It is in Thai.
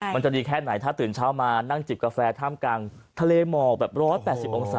มันจะดีแค่ไหนถ้าตื่นเช้ามานั่งจิบกาแฟท่ามกลางทะเลหมอกแบบ๑๘๐องศา